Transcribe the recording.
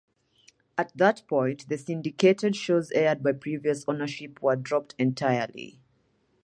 At that point, the syndicated shows aired by previous ownership were dropped entirely.